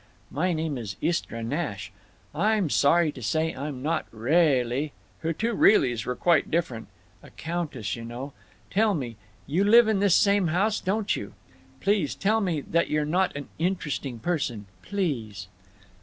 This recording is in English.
(My name is Istra Nash.) I'm sorry to say I'm not reahlly"—her two "reallys" were quite different—"a countess, you know. Tell me—you live in this same house, don't you? Please tell me that you're not an interesting Person. Please!"